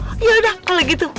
oh yaudah kalau gitu